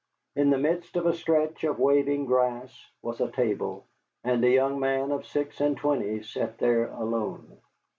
In the midst of a stretch of waving grass was a table, and a young man of six and twenty sat there alone.